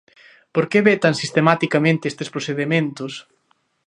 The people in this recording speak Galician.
¿Por que vetan sistematicamente estes procedementos?